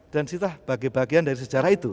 dan situlah bagian bagian dari sejarah itu